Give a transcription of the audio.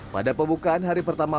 pada pembukaan hari pertama